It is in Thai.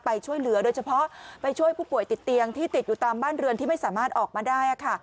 ไปช่วยเหลือโดยเฉพาะไปช่วยผู้ป่วยติดเตียงที่ติดอยู่ตามบ้านเรือนที่ไม่สามารถออกมาได้